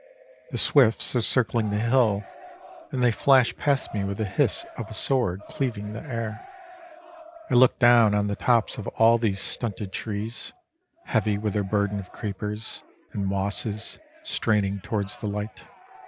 The swifts are circling the hill, and they flash past me with the hiss of a sword cleaving the air. I look down on the tops of all these stunted trees, heavy with their burden of creepers and mosses straining towards the light.